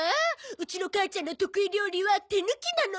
うちの母ちゃんの得意料理は手抜きなの。